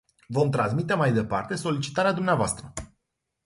Vom transmite mai departe solicitarea dvs.